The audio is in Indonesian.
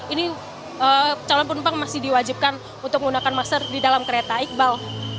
ini calon penumpang masih diwajibkan untuk menggunakan masker di dalam kereta iqbal